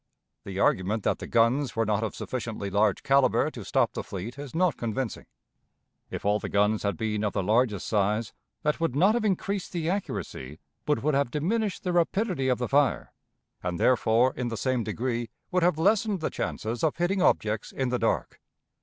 The argument that the guns were not of sufficiently large caliber to stop the fleet is not convincing. If all the guns had been of the largest size, that would not have increased the accuracy but would have diminished the rapidity of the fire, and therefore in the same degree would have lessened the chances of hitting objects in the dark.